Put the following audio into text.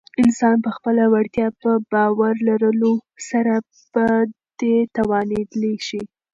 انسان په خپله وړتیا په باور لرلو سره په دې توانیدلی شی